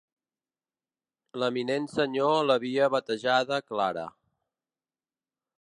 L'eminent senyor l'havia batejada Clara.